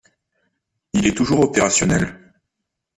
Il est toujours opérationnel.